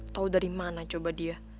tahu dari mana coba dia